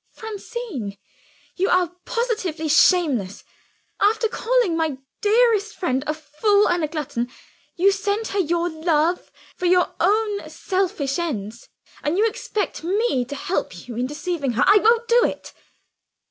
"Francine, you are positively shameless! After calling my dearest friend a fool and a glutton, you send her your love for your own selfish ends; and you expect me to help you in deceiving her! I won't do it."